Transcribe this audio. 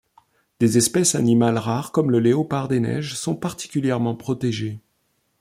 Des espèces animales rares comme le léopard des neiges sont particulièrement protégées.